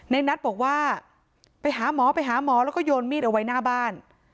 นัทบอกว่าไปหาหมอไปหาหมอแล้วก็โยนมีดเอาไว้หน้าบ้าน